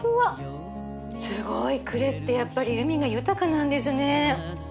すごい！呉ってやっぱり海が豊かなんですね。